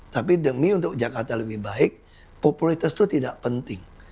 tapi demi untuk jakarta lebih baik popularitas itu tidak penting